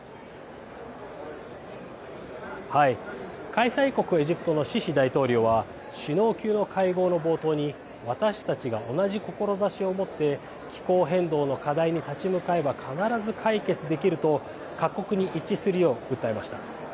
開催国エジプトのシシ大統領は首脳級の会合の冒頭に私たちが同じ志を持って気候変動の課題に立ち向かえば必ず解決できると各国に一致するよう訴えました。